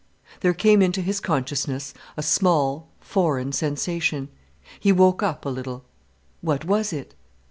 There came into his consciousness a small, foreign sensation. He woke up a little. What was it?